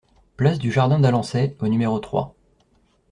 Place du Jardin d'Alençay au numéro trois